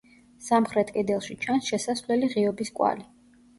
სამხრეთ კედელში ჩანს შესასვლელი ღიობის კვალი.